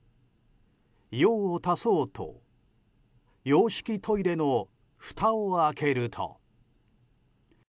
用を足そうと洋式トイレのふたを開けると。